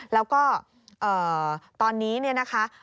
แล้วก็ตอนนี้นะคะ